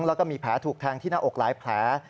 แล้วก็มีแผลถูกแทงที่หน้าอกหลายแผล